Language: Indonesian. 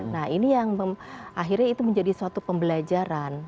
nah ini yang akhirnya itu menjadi suatu pembelajaran